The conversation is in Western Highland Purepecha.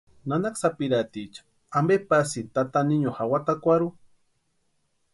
¿Nanaka sapirhaticha ampe pasïni tata niño jawatakwarhu?